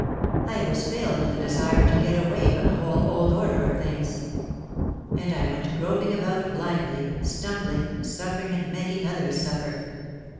I was filled with a desire to get away from the whole old order of things. And I went groping about blindly, stumbling, suffering and making others suffer.